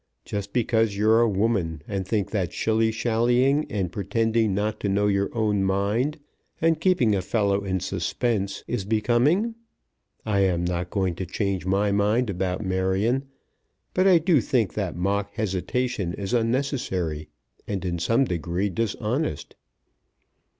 Just because you're a woman, and think that shilly shallying and pretending not to know your own mind, and keeping a fellow in suspense, is becoming. I am not going to change my mind about Marion; but I do think that mock hesitation is unnecessary, and in some degree dishonest."